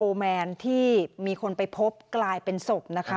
แมนที่มีคนไปพบกลายเป็นศพนะคะ